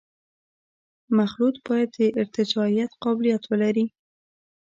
مخلوط باید د ارتجاعیت قابلیت ولري